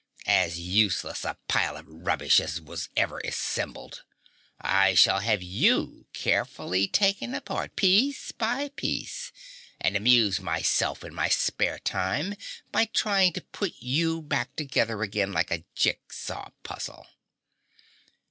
"As useless a pile of rubbish as was ever assembled. I shall have you carefully taken apart, piece by piece, and amuse myself in my spare time by trying to put you back together again like a jig saw puzzle."